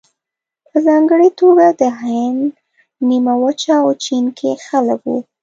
په ځانګړې توګه د هند نیمه وچه او چین کې خلک وو.